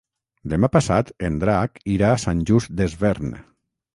Demà passat en Drac irà a Sant Just Desvern.